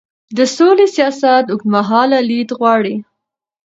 د سولې سیاست اوږدمهاله لید غواړي